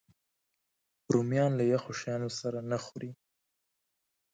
رومیان له یخو شیانو سره نه خوري